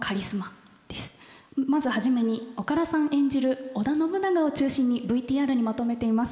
まず始めに岡田さん演じる織田信長を中心にＶＴＲにまとめています。